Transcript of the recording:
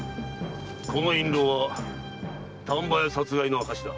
この印籠は丹波屋殺害の証しだ。